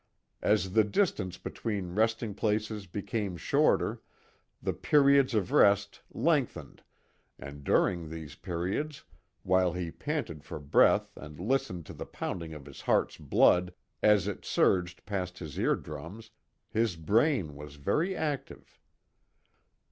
As the distance between resting places became shorter, the periods of rest lengthened, and during these periods, while he panted for breath and listened to the pounding of his heart's blood as it surged past his ear drums, his brain was very active.